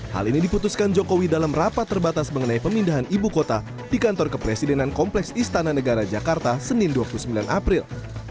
hal ini diputuskan jokowi dalam rapat terbatas mengenai pemindahan ibu kota di kantor kepresidenan kompleks istana negara jakarta senin dua puluh sembilan april